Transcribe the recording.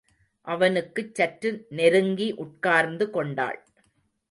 அவனுக்குச் சற்று நெருங்கி உட்கார்ந்து கொண்டாள்.